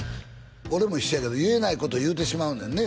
俺も一緒やけど言えないこと言うてしまうねんねえ？